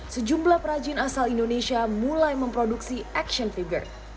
sejumlah perajin asal indonesia mulai memproduksi action figure